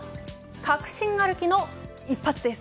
確信歩きの一発です。